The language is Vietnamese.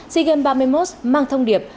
sea games ba mươi một mang thông điệp